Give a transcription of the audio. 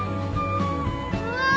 うわ！